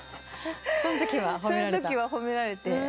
そのときは褒められた？